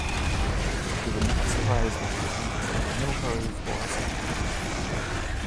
It would not surprise me that he is in no hurry for a second.